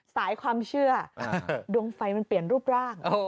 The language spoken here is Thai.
สายความเชื่อดวงไฟมันเปลี่ยนรูปร่าง